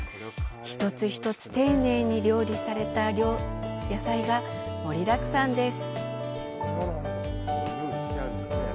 一つ一つ丁寧に料理された野菜が盛りだくさんです。